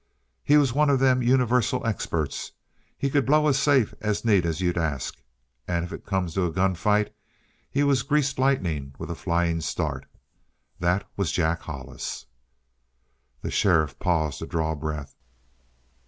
He was one of them universal experts. He could blow a safe as neat as you'd ask. And if it come to a gun fight, he was greased lightning with a flying start. That was Jack Hollis." The sheriff paused to draw breath.